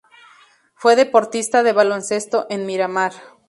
Fue deportista de baloncesto en Miramar.